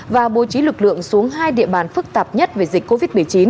và bố trí lực lượng xuống hai địa bàn phức tạp nhất về dịch covid một mươi chín